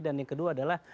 dan yang kedua adalah